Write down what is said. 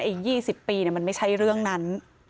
อีก๒๐ปีมันไม่ใช่เรื่องนั้น